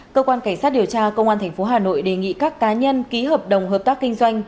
cơ quan cảnh sát điều tra công an tp hà nội đề nghị các cá nhân ký hợp đồng hợp tác kinh doanh